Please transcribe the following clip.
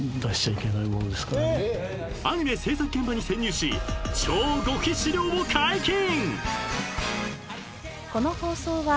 ［アニメ制作現場に潜入し超極秘資料を解禁］